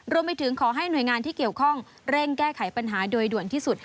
รวมไปถึงขอให้หน่วยงานที่เกี่ยวข้องเร่งแก้ไขปัญหาโดยด่วนที่สุด